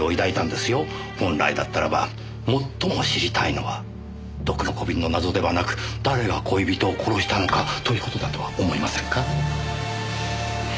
本来だったらば最も知りたいのは毒の小瓶の謎ではなく誰が恋人を殺したのかという事だとは思いませんか？